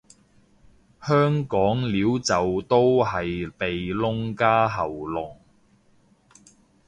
香港撩就都係鼻窿加喉嚨